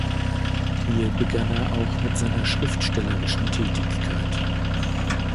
Hier begann er auch mit seiner schriftstellerischen Tätigkeit.